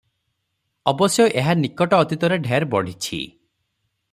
ଅବଶ୍ୟ ଏହା ନିକଟ ଅତୀତରେ ଢେର ବଢ଼ିଛି ।